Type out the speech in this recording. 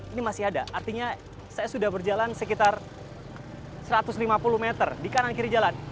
ini masih ada artinya saya sudah berjalan sekitar satu ratus lima puluh meter di kanan kiri jalan